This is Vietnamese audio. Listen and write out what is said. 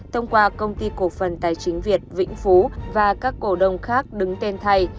thông qua công ty cổ phần tài chính việt vĩnh phú và các cổ đông khác đứng tên thay